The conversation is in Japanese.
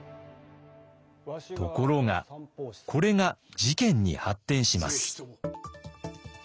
ところがこれが事件に発展します。